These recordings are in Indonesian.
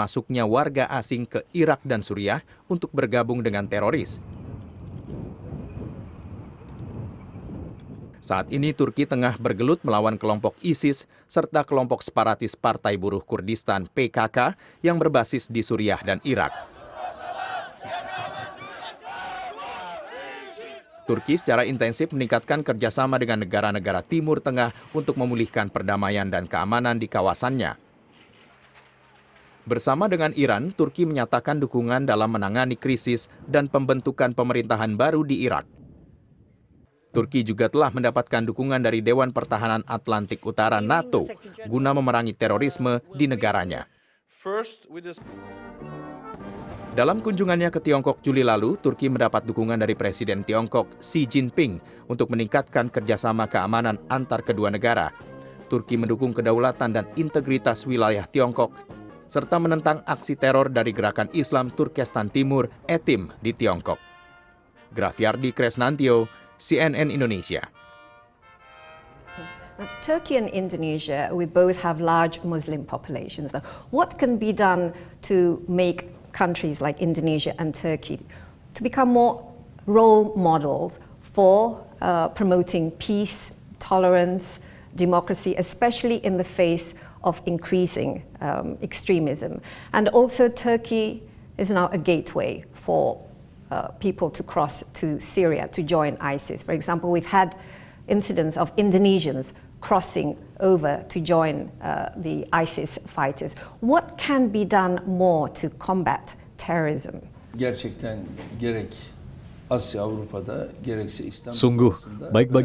sungguh baik bagi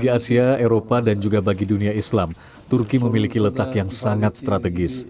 asia eropa dan juga bagi dunia islam turki memiliki letak yang sangat strategis